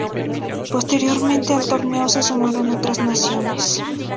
Posteriormente, al torneo se sumaron otras naciones.